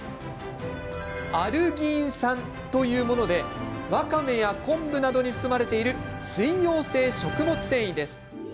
アルギン酸というものでわかめや昆布などに含まれている水溶性食物繊維です。